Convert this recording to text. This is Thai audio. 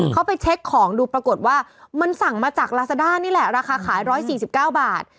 เขาไปเช็คของดูปรากฏว่ามันสั่งมาจากลาซาด้านี่แหละราคาขาย๑๔๙บาท